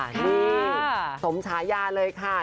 นี่สมฉายาเลยค่ะ